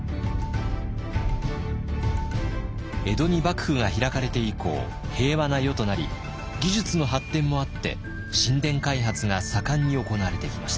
江戸に幕府が開かれて以降平和な世となり技術の発展もあって新田開発が盛んに行われてきました。